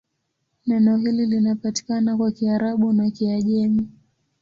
Neno hili linapatikana kwa Kiarabu na Kiajemi.